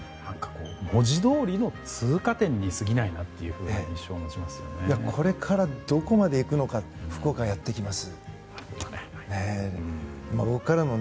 文字どおりの通過点に過ぎないなというこれからどこまでいくのか再び眞家さんです。